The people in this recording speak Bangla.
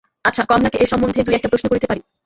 আচ্ছা, কমলাকে এ সম্বন্ধে দুই-একটা প্রশ্ন করিতে পারি?